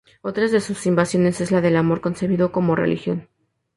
Otra de sus innovaciones es la del amor concebido como religión.